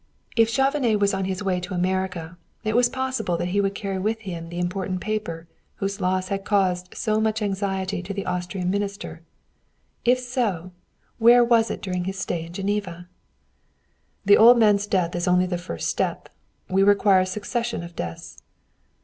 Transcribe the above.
If Chauvenet was on his way to America it was possible that he would carry with him the important paper whose loss had caused so much anxiety to the Austrian minister; if so, where was it during his stay in Geneva? "The old man's death is only the first step. We require a succession of deaths."